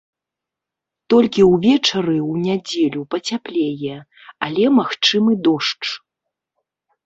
Толькі ўвечары ў нядзелю пацяплее, але магчымы дождж.